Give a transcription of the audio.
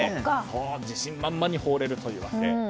自信満々に放れるというわけ。